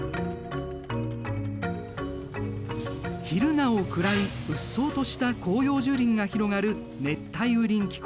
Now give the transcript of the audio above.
昼なお暗いうっそうとした広葉樹林が広がる熱帯雨林気候。